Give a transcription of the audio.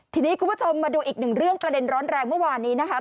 ทีนี้คุณผู้ชมมาดูอีกหนึ่งเรื่องประเด็นร้อนแรงเมื่อวานนี้นะคะ